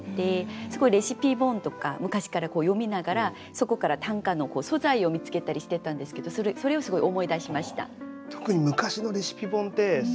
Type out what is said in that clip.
すごいレシピ本とか昔から読みながらそこから短歌の素材を見つけたりしてたんですけどそれをすごい思い出しました。